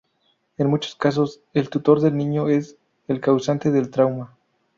En muchos casos, es el tutor del niño es el causante del trauma.